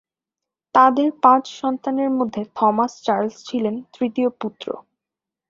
তাঁদের পাঁচ সন্তানের মধ্যে থমাস চার্লস ছিলেন তৃতীয় পুত্র।